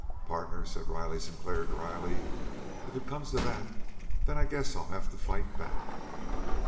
"Partner," said Riley Sinclair dryly, "if it come to that, then I guess I'd have to fight back."